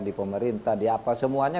di pemerintah di apa semuanya